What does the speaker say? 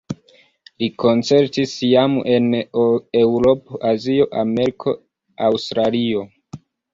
Li koncertis jam en Eŭropo, Azio, Ameriko, Aŭstralio.